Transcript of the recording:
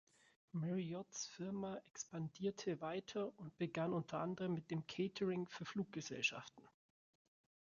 Marriott’s Firma expandierte weiter und begann unter anderem mit dem Catering für Fluggesellschaften.